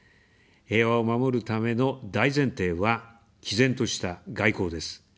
平和を守るための大前提は、きぜんとした外交です。